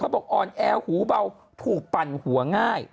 ออนแอร์หูเบาผูกปรั่นหัวง่าย